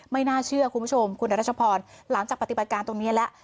ไม่น่าเชื่อคุณผู้ชมคุณรัชพรหลังจากปฏิบัติการตรงนี้แล้ว